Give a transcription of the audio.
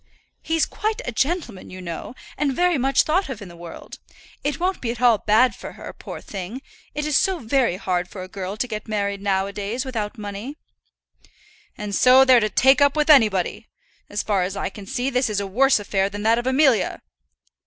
"He's quite a gentleman, you know, and very much thought of in the world. It won't be at all bad for her, poor thing. It is so very hard for a girl to get married now a days without money." "And so they're to take up with anybody. As far as I can see, this is a worse affair than that of Amelia."